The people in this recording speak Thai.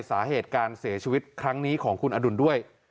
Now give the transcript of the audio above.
สาเหตุการเสียชีวิตครั้งนี้ของคุณอดุลด้วย